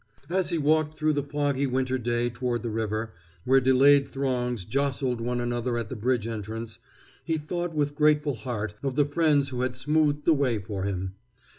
As he walked through the foggy winter day toward the river, where delayed throngs jostled one another at the bridge entrance, he thought with grateful heart of the friends who had smoothed the way for him.